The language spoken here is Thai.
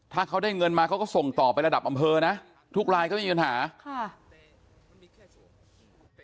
ถ้าเขาได้เงินมาเขาก็ส่งต่อไประดับอำเภอนะทุกลายก็ไม่มีปัญหาค่ะ